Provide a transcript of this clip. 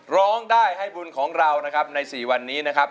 ร้องได้ให้บุญของเรานะครับใน๔วันนี้นะครับ